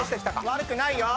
悪くないよ。